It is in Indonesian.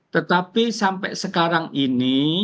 tetapi sampai sekarang ini